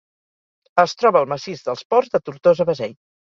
Es troba al massís dels Ports de Tortosa-Beseit.